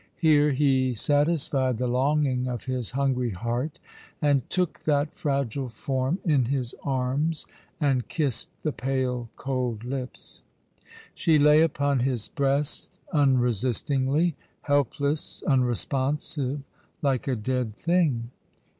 Here he satisfied the longing of his hungry heart, and took that fragile form in his arms, and kissed the pale cold lips. She lay upon his breast unresistingly ; helpless, unresponsive, like a dead thing.